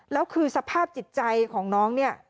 แล้วคือสภาพจิตใจของน้อง